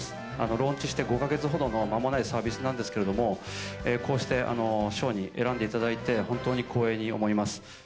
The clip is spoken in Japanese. ローンチして５カ月ほどの間もないサービスなんですけれども、こうして賞に選んでいただいて、本当に光栄に思います。